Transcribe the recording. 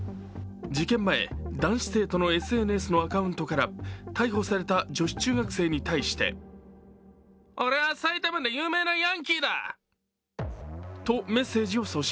事件前、男子生徒のＳＮＳのアカウントから逮捕された女子中学生に対してとメッセージを送信。